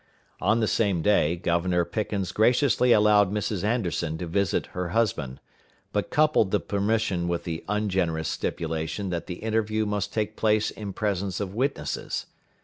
On the same day, Governor Pickens graciously allowed Mrs. Anderson to visit her husband, but coupled the permission with the ungenerous stipulation that the interview must take place in presence of witnesses.